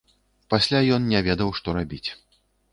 Пасля ён не ведаў, што рабіць.